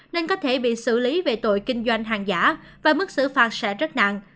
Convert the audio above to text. nên có thể bị xử lý về tội kinh doanh hàng giả và mức xử phạt sẽ rất nặng